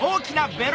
ベロ！